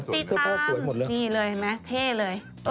ติดตามนี่เลยเห็นไหมเท่เลยสวยหมดแล้ว